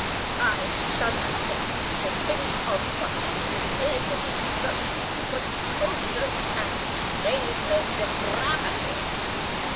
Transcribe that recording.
I shudder, sir, to think of such duplicity, such precocious and shameless depravity.